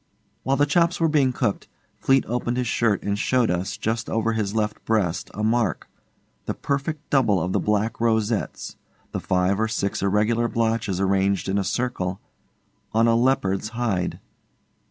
While the chops were being cooked, Fleete opened his shirt and showed us, just over his left breast, a mark, the perfect double of the black rosettes the five or six irregular blotches arranged in a circle on a leopard's hide.